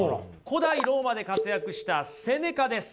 古代ローマで活躍したセネカです。